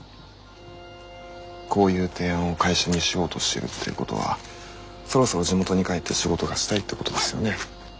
こういう提案を会社にしようとしてるっていうことはそろそろ地元に帰って仕事がしたいってことですよね？